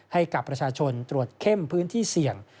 ให้กับประชาชนตรวจเข้มพื้นที่เสี่ยง